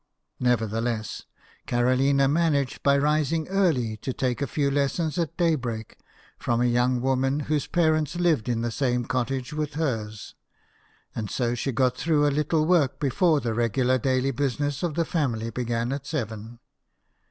Nevertheless, Carolina managed by rising early to take a few lessons at daybreak from a young woman whose parents lived in the same cottage with hers ; and so she got through a little work before the regular daily business of the family began at seven.